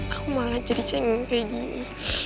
aku malah jadi cengeng kayak gini